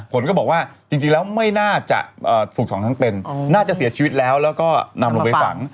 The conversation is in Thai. ผลก็บอกว่าจริงแล้วไม่น่าจะถูกสองทั้งเป็นน่าจะเสียชีวิตแล้วแล้วก็นำลงไปฝัง